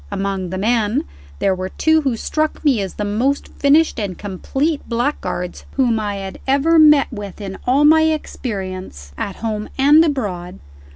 Among the men, there were two who struck me as the most finished and complete blackguards whom I had ever met with in all my experience, at home and abroad.